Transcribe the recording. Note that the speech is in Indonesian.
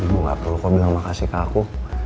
ibu ga perlu kau bilang makasih ke aku